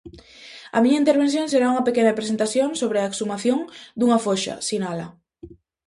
"A miña intervención será unha pequena presentación sobre a exhumación dunha foxa", sinala.